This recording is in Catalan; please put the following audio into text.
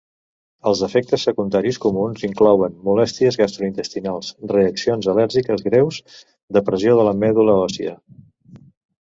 Els efectes secundaris comuns inclouen molèsties gastrointestinals, reaccions al·lèrgiques greus, depressió de la medul·la òssia.